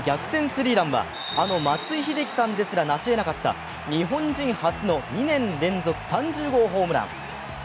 スリーランはあの松井秀喜さんですらなしえなかった日本人初の２年連続３０号ホームラン